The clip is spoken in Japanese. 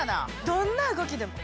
どんな動きでも。